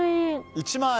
１万円。